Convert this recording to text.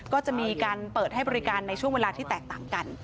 ก็จะมีการเปิดให้บริการในช่วงเวลาที่แตกต่างกัน